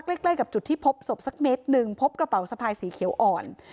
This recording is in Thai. ใกล้กับจุดที่พบศพสักเมตรหนึ่งพบกระเป๋าสะพายสีเขียวอ่อน